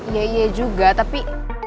iya iya juga tapi